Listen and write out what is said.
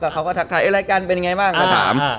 เขาก็ถักถ่ายรายการเป็นยังไงบ้าง